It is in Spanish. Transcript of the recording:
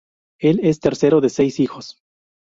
Él es tercero de seis hijos.